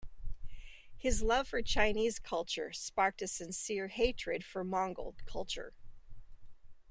His love for Chinese culture sparked a sincere hatred for Mongol culture.